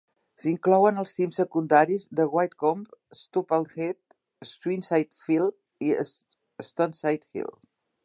S'hi inclouen els cims secundaris de White Combe, Stoupdale Head, Swinside Fell i Stoneside Hill.